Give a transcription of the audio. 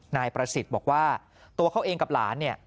นายประสิทธิ์บอกว่าตัวเขาเองกับหลานเนี่ย